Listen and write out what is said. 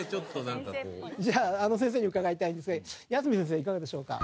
じゃあ先生に伺いたいんですがやすみ先生いかがでしょうか？